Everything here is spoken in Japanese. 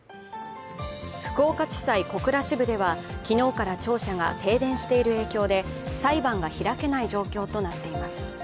福岡地裁小倉支部では、昨日から庁舎が停電している影響で裁判が開けない状況となっています。